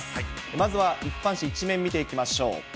まずは一般紙１面見ていきましょう。